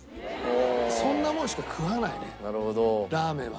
そんなもんしか食わないねラーメンは。